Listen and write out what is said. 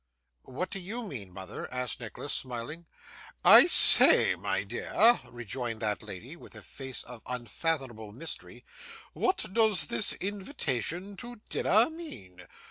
'What do YOU mean, mother?' asked Nicholas, smiling. 'I say, my dear,' rejoined that lady, with a face of unfathomable mystery, 'what does this invitation to dinner mean?